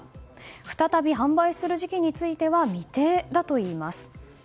再び販売する時期については未定だといいます。